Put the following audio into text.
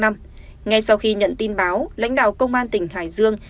ngay sau khi nhận tin báo lãnh đạo công an tỉnh hải dương